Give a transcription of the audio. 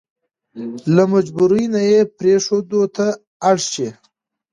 له مجبوري نه يې پرېښودو ته اړ شي.